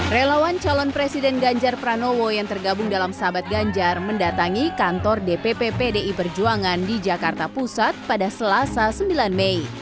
relawan calon presiden ganjar pranowo yang tergabung dalam sahabat ganjar mendatangi kantor dpp pdi perjuangan di jakarta pusat pada selasa sembilan mei